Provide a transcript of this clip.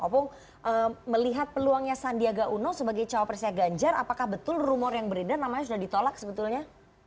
opung melihat peluangnya sandiaga uno sebagai cawapresnya ganjar apakah betul rumor yang beredar namanya sudah ditolak sebetulnya